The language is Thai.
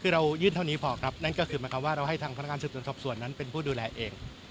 คือเรายื่นเท่านี้พอครับนั่นก็คือหมายความว่าเราให้ทางพนักงานสืบสวนสอบส่วนนั้นเป็นผู้ดูแลเอง